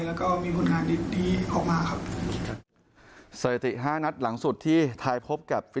และมีผลงานดีของมันหรือค่ะ